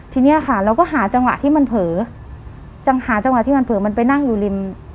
ทีเนี้ยค่ะเราก็หาจังหวะที่มันเผลอจังหาจังหวะที่มันเผลอมันไปนั่งอยู่ริม